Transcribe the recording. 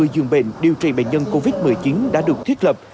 một mươi dường bệnh điều trị bệnh nhân covid một mươi chín đã được thiết lập